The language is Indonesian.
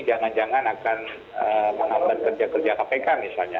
jangan jangan akan menghambat kerja kerja kpk misalnya